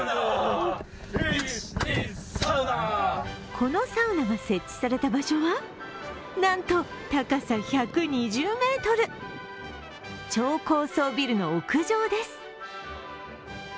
このサウナが設置された場所は、なんと高さ１２０ｍ、超高層ビルの屋上です。